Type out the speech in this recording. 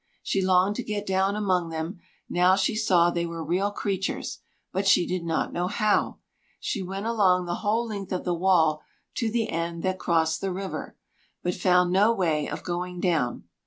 She longed to get down among them, now she saw they were real creatures, but she did not know how. She went along the whole length of the wall to the end that crossed the river, but found no way of going down.